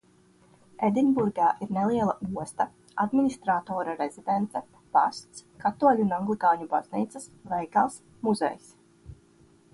Edinburgā ir neliela osta, administratora rezidence, pasts, katoļu un anglikāņu baznīcas, veikals, muzejs.